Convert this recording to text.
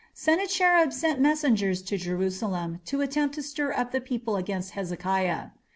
Sennacherib sent messengers to Jerusalem to attempt to stir up the people against Hezekiah.